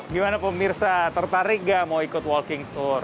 gimana pemirsa tertarik gak mau ikut walking tour